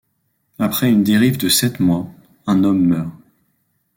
Après une dérive de sept mois, un homme meurt.